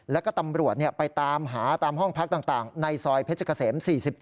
แล้วก็ตำรวจไปตามหาตามห้องพักต่างในซอยเพชรเกษม๔๗